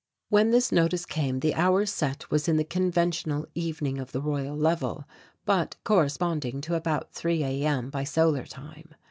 When this notice came the hour set was in the conventional evening of the Royal Level, but corresponding to about three A.M. by solar time.